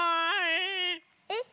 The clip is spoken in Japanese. えっ？